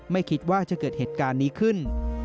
ไม่คิดว่าจะเกิดเหตุการณ์นี้ขึ้น